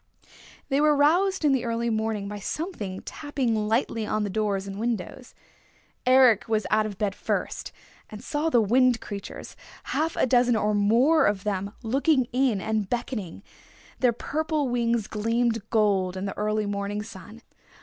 They were roused early in the morning by something tapping lightly on the doors and windows. Eric was out of bed first, and saw the Wind Creatures, half a dozen or more of them, looking in and beckoning. Their purple wings gleamed gold in the early morning sun.